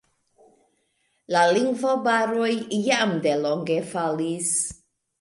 La lingvobaroj jam delonge falis.